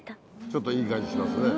ちょっといい感じしますね。